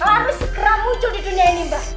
harus segera muncul di dunia ini mbak